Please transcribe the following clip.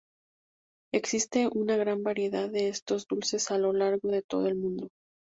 Existe una gran variedad de estos dulces a lo largo de todo el mundo.